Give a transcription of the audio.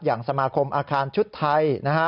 อย่างสมาคมอาคารชุดไทยนะฮะ